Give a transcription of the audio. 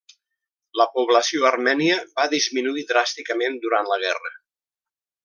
La població armènia va disminuir dràsticament durant la guerra.